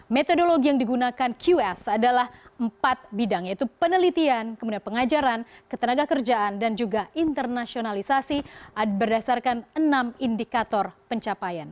metodologi yang digunakan qs adalah empat bidang yaitu penelitian kemudian pengajaran ketenaga kerjaan dan juga internasionalisasi berdasarkan enam indikator pencapaian